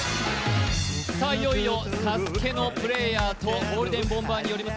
いよいよ「ＳＡＳＵＫＥ」のプレーヤーとゴールデンボンバーによります